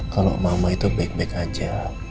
kalau mama itu baik baik aja